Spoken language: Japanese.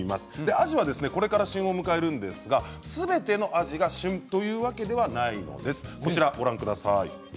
アジは、これから旬を迎えるんですがすべてのアジが旬なわけではないんです。